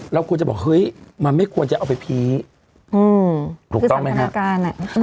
เราควรจะบอกเฮ้ยมันไม่ควรจะเอาไปพีถูกต้องไหมครับอาการอ่ะ